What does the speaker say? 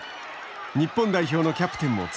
日本代表のキャプテンも務め